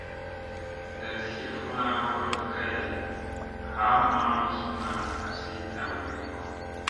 Ndat sli funa kot kay ha maŋ suuna azi tam kiyo.